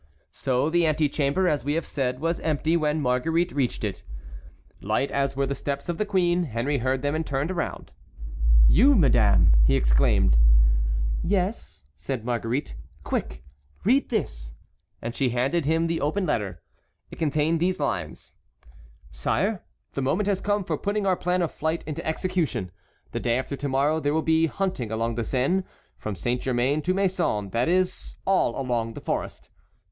So the antechamber, as we have said, was empty when Marguerite reached it. Light as were the steps of the queen, Henry heard them and turned round. "You, madame!" he exclaimed. "Yes," said Marguerite. "Quick! Read this!" and she handed him the open letter. It contained these lines: "Sire: The moment has come for putting our plan of flight into execution. The day after to morrow there will be hunting along the Seine, from Saint Germain to Maisons, that is, all along the forest.